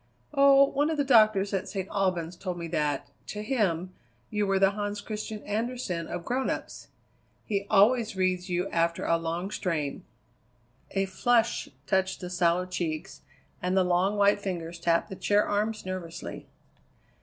"Oh, one of the doctors at St. Albans told me that, to him, you were the Hans Christian Andersen of grown ups. He always reads you after a long strain." A flush touched the sallow cheeks, and the long, white fingers tapped the chair arms nervously.